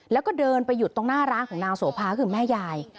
แล้วก็เดินไปหยุดตรงหน้าร้านของนางโสภาคือแม่ยาย